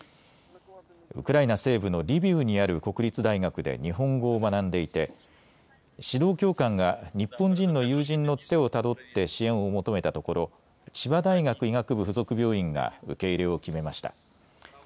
ウクライナ西部のリビウにある国立大学で日本語を学んでいて指導教官が日本人の友人のつてをたどって支援を求めたところ千葉大学医学部附属病院が受け入れを決めました。